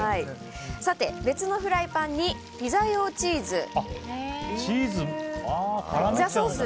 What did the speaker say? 別のフライパンにピザ用チーズを。